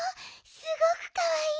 すごくかわいい！